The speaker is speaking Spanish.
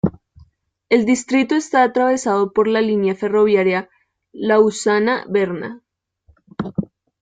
El distrito está atravesado por la línea ferroviaria Lausana-Berna.